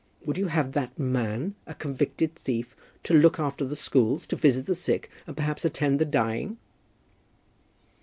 Would you have that man, a convicted thief, to look after the schools, and visit the sick, and perhaps attend the dying?"